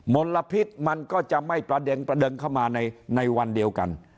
มลพิษมันก็จะไม่ประเด็งประเด็งเข้ามาในในวันเดียวกัน